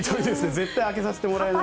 絶対開けさせてもらえない。